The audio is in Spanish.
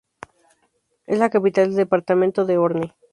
Es la capital del departamento de Orne.